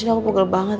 ini aku bogle banget